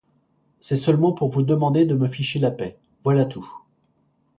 C'est seulement pour vous demander de me ficher la paix, voilà tout !